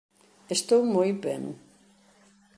Estou moi ben.